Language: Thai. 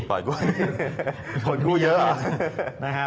ปล่อยกู้เยอะ